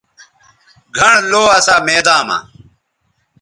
گھنڑ لو اسا میداں مہ